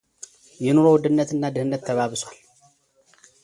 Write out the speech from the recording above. የኑሮ ውድነት እና ድህነት ተባብሷል።